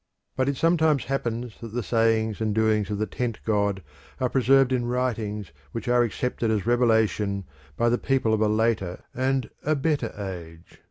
But it sometimes happens that the sayings and doings of the tent god are preserved in writings which are accepted as revelation by the people of a later and better age.